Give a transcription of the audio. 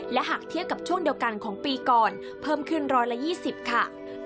และหากเทียบกับช่วงเดียวกันของปีก่อนเพิ่มขึ้น๑๒๐ค่ะ